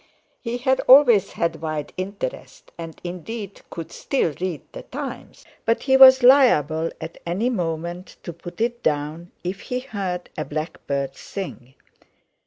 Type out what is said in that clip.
He had always had wide interests, and, indeed could still read The Times, but he was liable at any moment to put it down if he heard a blackbird sing.